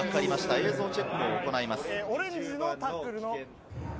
映像チェックを行います。